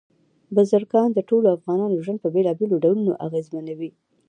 بزګان د ټولو افغانانو ژوند په بېلابېلو ډولونو اغېزمنوي.